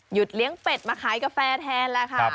เลี้ยงเป็ดมาขายกาแฟแทนแล้วค่ะ